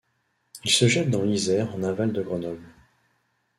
Il se jette dans l'Isère en aval de Grenoble.